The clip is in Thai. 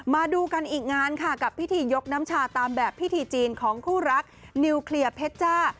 มาดูกันอีกงานค่ะกับพิธียกน้ำชาตามแบบพิธีจีนของคู่รักนิวเคลียร์เพชจ้า